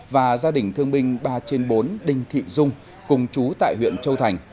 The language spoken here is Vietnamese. và gia đình thương binh ba trên bốn đinh thị dung cùng chú tại huyện châu thành